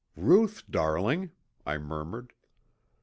"Ruth, darling!" I murmured.